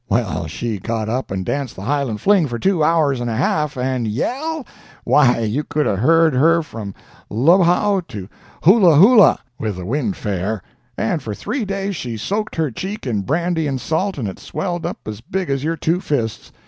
Well, she just got up and danced the Highland fling for two hours and a half—and yell!—why, you could have heard her from Lu wow to Hoolahoola, with the wind fair! and for three days she soaked her cheek in brandy and salt, and it swelled up as big as your two fists.